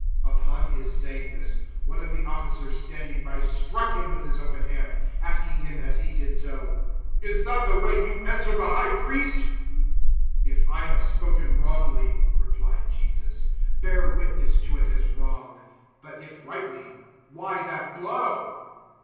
018:022 Upon His saying this, one of the officers standing by struck Him with his open hand, asking Him as he did so, "Is that the way you answer the High Priest?" 018:023 "If I have spoken wrongly," replied Jesus, "bear witness to it as wrong; but if rightly, why that blow?"